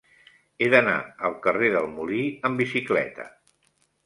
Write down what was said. He d'anar al carrer del Molí amb bicicleta.